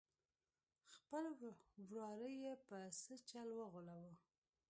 خپل وراره یې په څه چل وغولاوه.